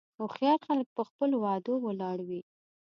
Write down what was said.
هوښیار خلک په خپلو وعدو ولاړ وي.